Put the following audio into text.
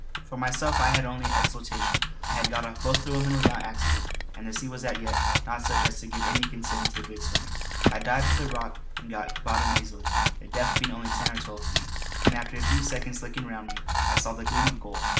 For myself I had only exultation. I had got off both the women without accident, and the sea was as yet, not such as to give any concern to a good swimmer. I dived from the rock and got bottom easily, the depth being only ten or twelve feet; and after a few seconds looking round me I saw the gleam of gold.